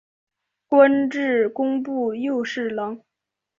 官至工部右侍郎。